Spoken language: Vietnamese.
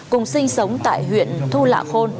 cùng sinh sống tại huyện thu lạ khôn